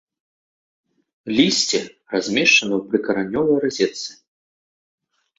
Лісце размешчаны ў прыкаранёвай разетцы.